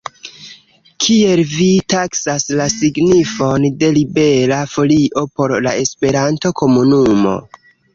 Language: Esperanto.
Kiel vi taksas la signifon de Libera Folio por la Esperanto-komunumo?